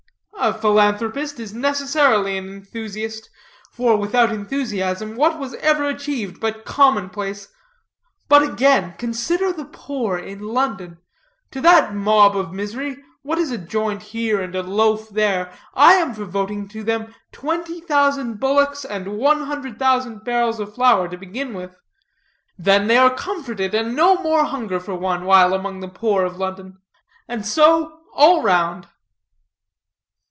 "A philanthropist is necessarily an enthusiast; for without enthusiasm what was ever achieved but commonplace? But again: consider the poor in London. To that mob of misery, what is a joint here and a loaf there? I am for voting to them twenty thousand bullocks and one hundred thousand barrels of flour to begin with. They are then comforted, and no more hunger for one while among the poor of London. And so all round."